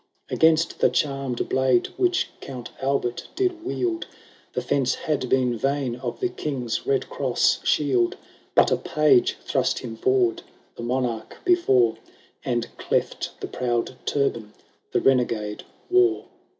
Against the charmed blade which Count Albert did wield, The fence had been vain of the King's Bed cross shield ; But a Page thrust him forward the monarch before, And cleft the proud turban the renegade wore.